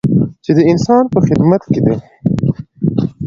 چې د انسان په خدمت کې دی.